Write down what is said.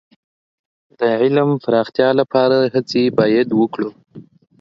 د علم د پراختیا لپاره هڅې باید وکړو.